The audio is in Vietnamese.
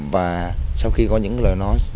và sau khi có những lời nói